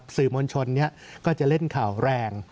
สื่อมวลชนก็จะเล่นข่าวแรง